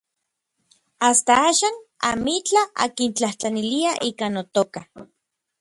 Asta axan amitlaj ankitlajtlaniliaj ika notoka.